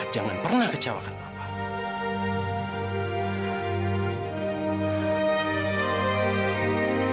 jangan pernah kecewakan papa